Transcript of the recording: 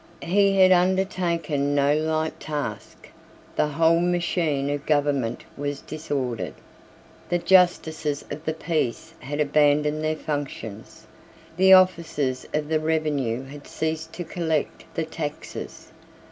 He had undertaken no light task. The whole machine of government was disordered. The Justices of the Peace had abandoned their functions. The officers of the revenue had ceased to collect the taxes.